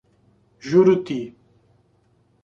Juruti